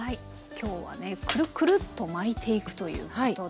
今日はねクルクルッと巻いていくということで。